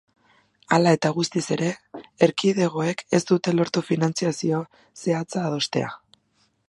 Hala eta guztiz ere, erkidegoek ez dute lortu finantziazio zehatza adostea.